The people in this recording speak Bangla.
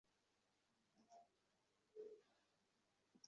শুধু তা-ই নয়, কোথাও বাধা পেলে এটি নিজে নিজেই ফিরে আসতে পারে।